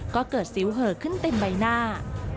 ก็เกิดสิวเหอะขึ้นเต็มใบหน้า